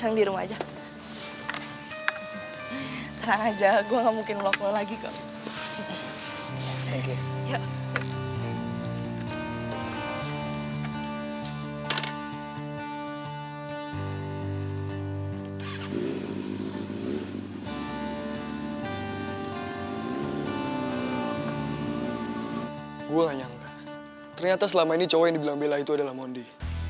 gue gak nyangka ternyata selama ini cowok yang dibilang bela itu adalah mondi